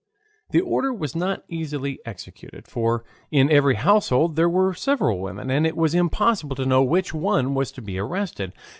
The order was not easily executed. For in every household there were several women, and it was impossible to know which one was to be arrested.